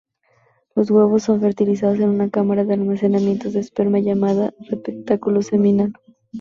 Los huevos son fertilizados en una cámara de almacenamiento de esperma llamada receptáculo seminal.